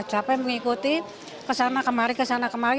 capek mengikuti kesana kemari kesana kemari